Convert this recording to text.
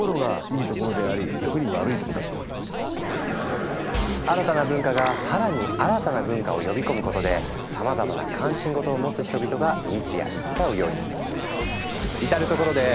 だから新たな文化が更に新たな文化を呼び込むことでさまざまな関心事を持つ人々が日夜行き交うように。